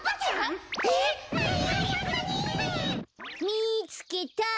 みつけた。